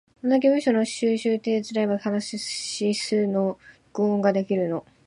どんだけ文章の収集手伝えば話すの録音ができるの？